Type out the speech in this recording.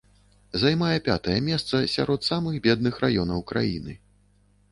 Займае пятае месца сярод самых бедных раёнаў краіны.